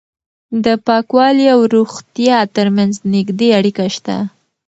د پاکوالي او روغتیا ترمنځ نږدې اړیکه شته.